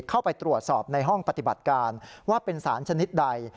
เข้าไปตรวจสอบในห้องปฏิบัติการว่าเป็นสารชนิดใด